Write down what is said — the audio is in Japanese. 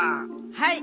はい！